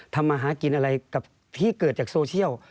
ทำมาหากินอะไรกับที่เกิดจากโซเชียล